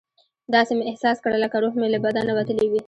داسې مې احساس کړه لکه روح مې له بدنه وتلی وي.